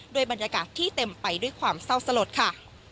บรรยากาศที่เต็มไปด้วยความเศร้าสลดค่ะ